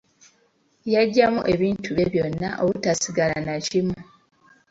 Yagyamu ebintu bye byonna obutasigala nakimu.